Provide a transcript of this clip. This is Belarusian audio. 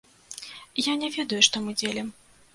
Я не ведаю, што мы дзелім.